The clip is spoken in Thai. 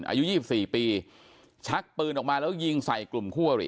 อายุยี่สิบสี่ปีชักปืนออกมาแล้วก็ยิงใส่กลุ่มคั่วหรี่